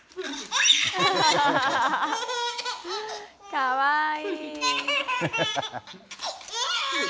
かわいい。